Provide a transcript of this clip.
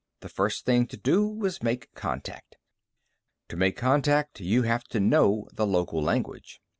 The first thing to do was make contact. To make contact, you have to know the local language.